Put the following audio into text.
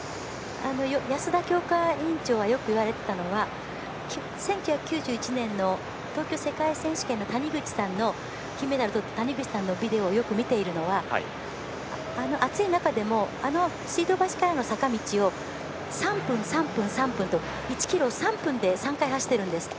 安田強化委員長がよく言われていたのは１９９１年の東京世界選手権の金メダルを取った谷口さんのビデオを見ていると暑い中でも水道橋からの坂道を３分、３分、３分と１ｋｍ３分で３回走っているんですって。